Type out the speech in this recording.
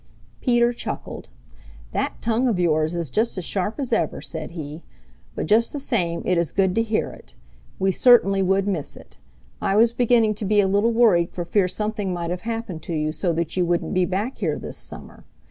Peter chuckled. "That tongue of yours is just as sharp as ever," said he. "But just the same it is good to hear it. We certainly would miss it. I was beginning to be a little worried for fear something might have happened to you so that you wouldn't be back here this summer.